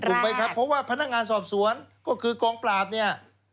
ถูกไหมครับเพราะว่าพนักงานสอบสวนก็คือกองปราบเนี่ย